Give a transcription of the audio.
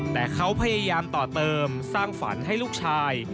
แต่เขาพยายามต่อเติมสร้างฝันให้ลูกชาย